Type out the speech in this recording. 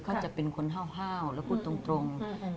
เขาจะเป็นคนห้าวแล้วพูดตรง